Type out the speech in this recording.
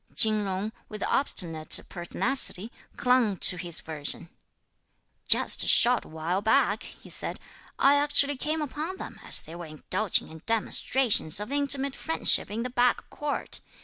Chin Jung, with obstinate pertinacity, clung to his version. "Just a short while back," he said, "I actually came upon them, as they were indulging in demonstrations of intimate friendship in the back court.